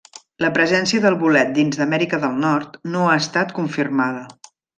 La presència del bolet dins d'Amèrica del Nord no ha estat confirmada.